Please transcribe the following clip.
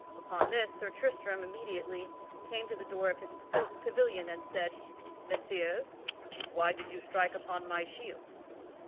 Upon this, Sir Tristram immediately came to the door of his pavilion, and said, "Messires, why did you strike upon my shield?"